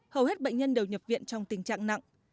hầu hết bệnh nhân đều nhập viện trong tình trạng nặng